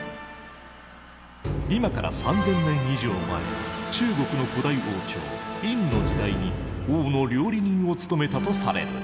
今から３，０００年以上前中国の古代王朝殷の時代に王の料理人を務めたとされる。